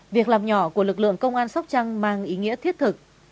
việc làm nhỏ của lực lượng công an sóc trăng mang ý nghĩa thiết thực